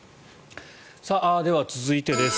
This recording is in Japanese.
では、続いてです。